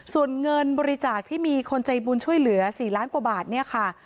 ส่วนเงินบริจาคที่มีคนใจบุญช่วยเหลือ๔ล้านกว่าบาทเนี่ยค่ะ